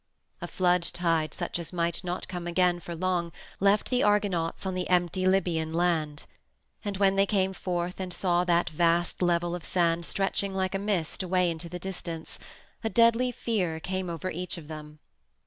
A flood tide such as might not come again for long left the Argonauts on the empty Libyan land. And when they came forth and saw that vast level of sand stretching like a mist away into the distance, a deadly fear came over each of them.